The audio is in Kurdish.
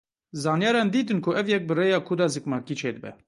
Zanyaran dîtin ku ev yek bi rêya kûda zikmakî çêdibe.